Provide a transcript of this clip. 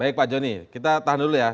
baik pak joni kita tahan dulu ya